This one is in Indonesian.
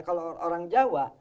kalau orang jawa